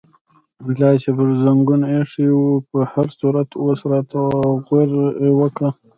لاس یې پر زنګون ایښی و، په هر صورت اوس راته غورې وکړه.